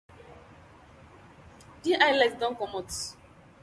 DI light don komot.